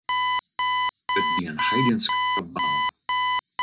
It wie in heidensk kabaal.